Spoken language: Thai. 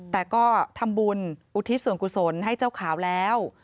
แต่ก็ทำบุญอุทิศส่วนกุศลให้เจ้าขาวแล้ว